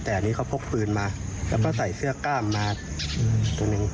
แต่อันนี้เขาพกปืนมาแล้วก็ใส่เสื้อกล้ามมาตรงหนึ่ง